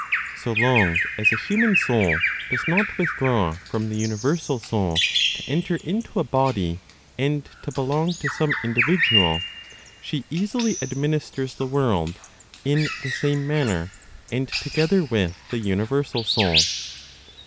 So long as a human soul does not withdraw from the (universal) Soul to enter into a body, and to belong to some individual, she easily administers the world, in the same manner, and together with the universal Soul.